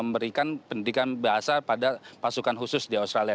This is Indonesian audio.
memberikan pendidikan bahasa pada pasukan khusus di australia